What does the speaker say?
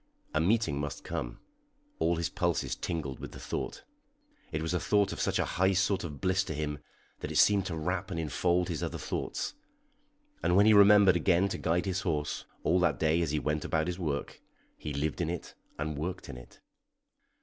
A meeting must come; all his pulses tingled with the thought. It was a thought of such a high sort of bliss to him that it seemed to wrap and enfold his other thoughts; and when he remembered again to guide his horse all that day as he went about his work he lived in it and worked in it.